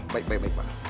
baik baik pak